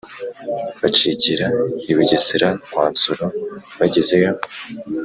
bacikira i bugesera kwa nsoro. bagezeyo,